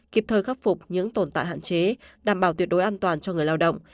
kịp thời khắc phục những tồn tại hạn chế đảm bảo tuyệt đối an toàn cho người lao động